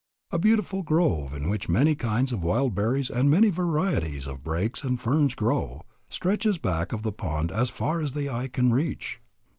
A beautiful grove, in which many kinds of wild berries and many varieties of brakes and ferns grow, stretches back of the pond as far as the eye can reach.